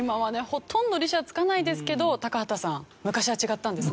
ほとんど利子は付かないですけど高畑さん昔は違ったんですね。